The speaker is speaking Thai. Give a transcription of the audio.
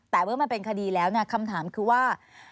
แต่เมื่อมันเป็นคดีแล้วคำถามคือว่า